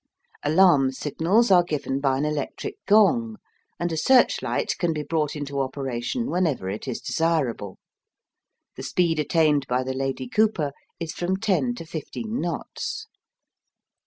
Alarm signals are given by an electric gong, and a search light can be brought into operation whenever it is desirable. The speed attained by the Lady Cooper is from ten to fifteen knots.